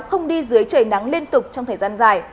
không đi dưới trời nắng liên tục trong thời gian dài